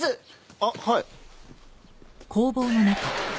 あっはい。